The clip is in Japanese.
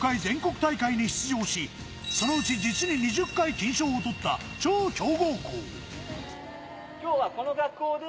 この３０年で２６回全国大会に出場し、そのうち実に２０回、金賞を取った超強豪校。